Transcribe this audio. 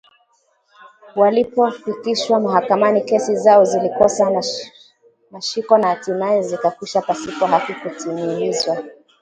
Walipofikishwa mahakamani, kesi zao zilikosa mashiko na hatimaye zikakwisha pasipo haki kutimilizwa